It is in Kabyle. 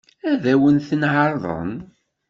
Ad wen-ten-ɛeṛḍen?